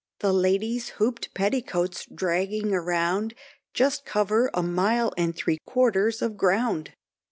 The ladies hooped petticoats dragging around, Just cover a mile and three quarters of ground.